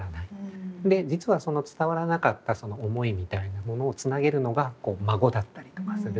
で実はその伝わらなかったその思いみたいなものをつなげるのが孫だったりとかする。